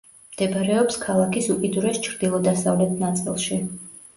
მდებარეობს ქალაქის უკიდურეს ჩრდილო-დასავლეთ ნაწილში.